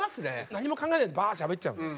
何も考えないでバーッしゃべっちゃうのよ。